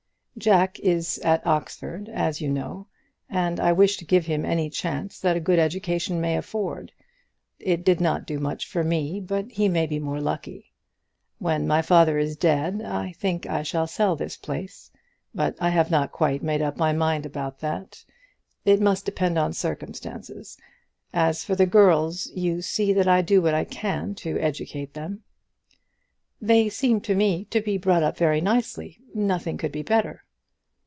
"Jack is at Oxford, as you know, and I wish to give him any chance that a good education may afford. It did not do much for me, but he may be more lucky. When my father is dead, I think I shall sell this place; but I have not quite made up my mind about that; it must depend on circumstances. As for the girls, you see that I do what I can to educate them." "They seem to me to be brought up very nicely; nothing could be better."